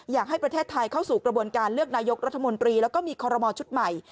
อยากให้ประเทศไทยเข้าสู่กระบวนการเลือกนายกรัฐมนตรีแล้วก็มีคอรมอลชุดใหม่